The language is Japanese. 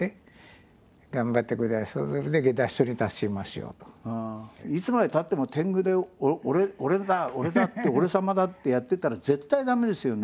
やっぱりいつまでたっても天狗で「俺だ俺だ」って「俺様だ」ってやってたら絶対駄目ですよね。